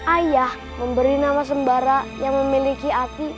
ayah memberi nama sembara yang memiliki hati